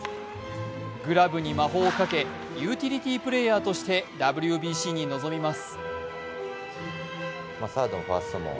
グラブに魔法をかけユーティリティープレーヤーとしてＷＢＣに臨みます。